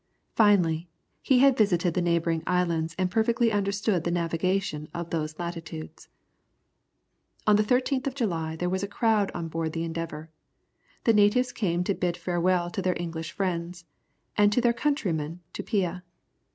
Finally, he had visited the neighbouring islands and perfectly understood the navigation of those latitudes. On the 13th of July there was a crowd on board the Endeavour. The natives came to bid farewell to their English friends, and to their countryman Tupia.